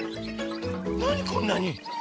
なにこんなに。